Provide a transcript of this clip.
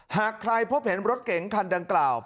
หากใครพบเห็นรถเก๋งคันดังกล่าว